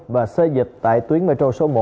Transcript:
và xây dịch tại tuyến metro số một